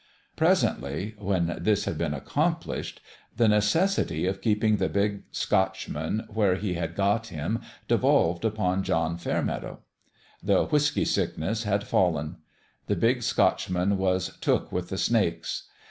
Presently when this had been accomplished the necessity of keeping the Big Scotchman where he had got him devolved upon John Fair meadow. The " whiskey sickness " had fallen. The Big Scotchman was " took with the snakes."